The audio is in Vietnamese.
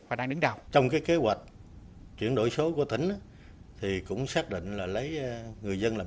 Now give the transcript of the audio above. và đang đứng đầu trong cái kế hoạch chuyển đổi số của tỉnh thì cũng xác định là lấy người dân làm